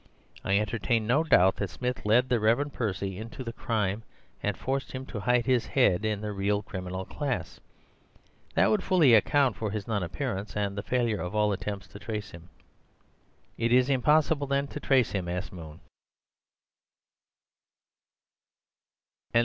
I entertain no doubt that Smith led the Revered Percy into the crime and forced him to hide his head in the real crim'nal class. That would fully account for his non appearance, and the failure of all attempts to trace him." "It is impossible, then, to trace him?" asked Moon.